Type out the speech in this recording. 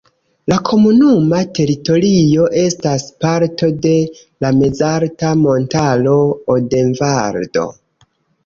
La komunuma teritorio estas parto de la mezalta montaro Odenvaldo.